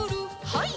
はい。